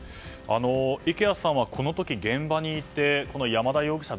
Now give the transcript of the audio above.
池谷さんはこの時、現場にいて山田容疑者